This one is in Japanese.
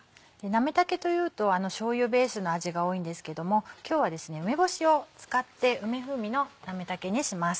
なめたけというとしょうゆベースの味が多いんですけども今日は梅干しを使って梅風味のなめたけにします。